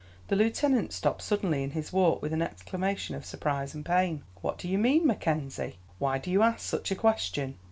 The lieutenant stopped suddenly in his walk with an exclamation of surprise and pain. "What do you mean, Mackenzie? Why do you ask such a question?"